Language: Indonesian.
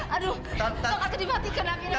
aduh aby kemahir